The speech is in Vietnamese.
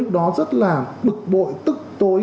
lúc đó rất là bực bội tức tối